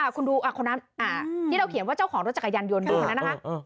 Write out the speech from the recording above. คุณดูคนนั้นที่เราเขียนว่าเจ้าของรถจักรยานยนต์อยู่คนนั้นนะคะ